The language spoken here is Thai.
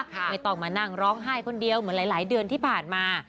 ไม่ต้องมานั่งร้องไห้คนเดียวเหมือนหลายเดือนที่ผ่านมา